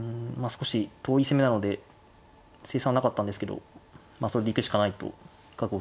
少し遠い攻めなので成算なかったんですけどそれでいくしかないと覚悟